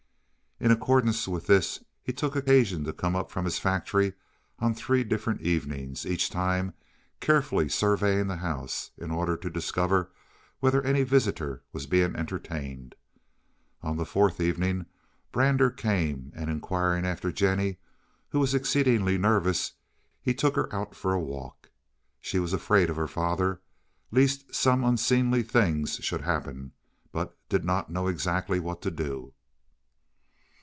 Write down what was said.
In accordance with this, he took occasion to come up from his factory on three different evenings, each time carefully surveying the house, in order to discover whether any visitor was being entertained. On the fourth evening Brander came, and inquiring for Jennie, who was exceedingly nervous, he took her out for a walk. She was afraid of her father, lest some unseemly things should happen, but did not know exactly what to do.